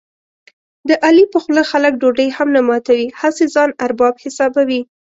د علي په خوله خلک ډوډۍ هم نه ماتوي، هسې ځان ارباب حسابوي.